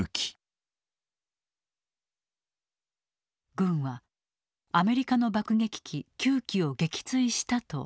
軍はアメリカの爆撃機９機を撃墜したと発表。